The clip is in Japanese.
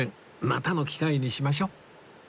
またの機会にしましょう